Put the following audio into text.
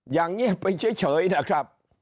อย่างเงียบไปเฉยนะครับ